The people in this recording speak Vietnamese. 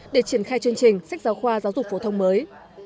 để triển khai chương trình sách giáo khoa giáo dục phổ thông mới